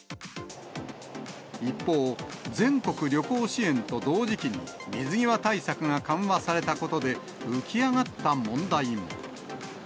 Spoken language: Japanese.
一方、全国旅行支援と同時期に水際対策が緩和されたことで浮き上がった問題も。